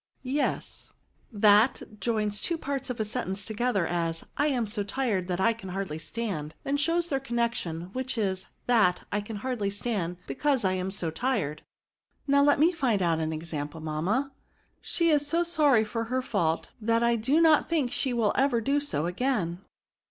^'^^ Yes ; that joins two parts of a sentence together, as, ^ I am so tired that I can hardly stand;' and shows their comiection, which is, that I can hardly stand, because I am so tired." ^* Now let me find out an example, mam* ma. * She is so sorry for her &ult, that I do not think she will ever do so again.'